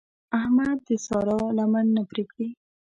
احمد د سارا لمن نه پرېږدي.